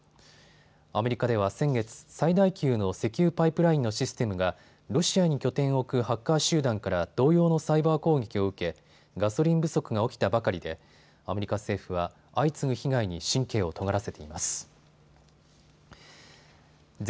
アメリカでは先月、最大級の石油パイプラインのシステムがロシアに拠点を置くハッカー集団から同様のサイバー攻撃を受けガソリン不足が起きたばかりでアメリカ政府は相次ぐ被害に神経をとがらせています。